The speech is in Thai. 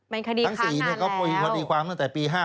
มันคดีค้างานแล้วทั้ง๔เนี่ยก็เป็นคดีค้างตั้งแต่ปี๕๖